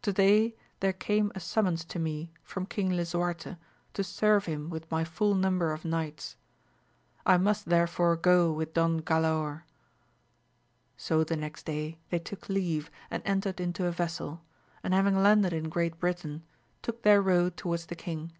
To day there came a summons to me from King Lisuarte to serve him with my full number of knights. I must there fore go with Don Galaor. So the next day they took leave and entered into a vessel, and having landed in Great Britain, took their road towards the king.